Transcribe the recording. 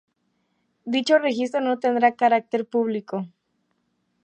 Dicho registro no tendrá carácter público.